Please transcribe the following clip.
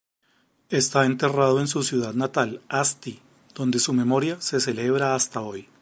Está enterrado en su ciudad natal, Asti, donde su memoria se celebra hasta hoy.